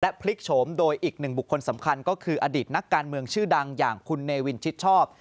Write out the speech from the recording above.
พลิกโฉมโดยอีกหนึ่งบุคคลสำคัญก็คืออดีตนักการเมืองชื่อดังอย่างคุณเนวินชิดชอบ